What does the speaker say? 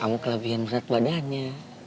kamu kelebihan berat badannya